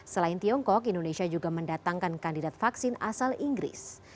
selain tiongkok indonesia juga mendatangkan kandidat vaksin asal inggris